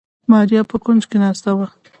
ماريا په کونج کې ناسته وه.